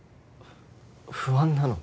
不安なの？